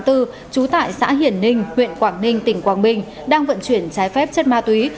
trú tại xã hiển ninh huyện quảng ninh tỉnh quảng bình đang vận chuyển trái phép chất ma túy